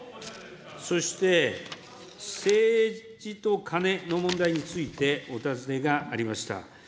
そして、政治とカネの問題について、お尋ねがありました。